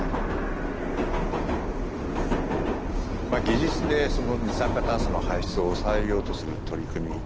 まあ技術で二酸化炭素の排出を抑えようとする取り組み